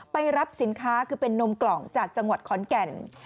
ไปรับสินค้าคือเป็นนมกล่องจากจังหวัดขอนแก่น